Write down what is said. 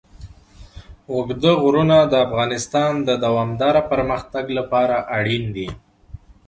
اوږده غرونه د افغانستان د دوامداره پرمختګ لپاره اړین دي.